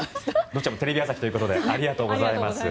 どちらもテレビ朝日ということでありがとうございます。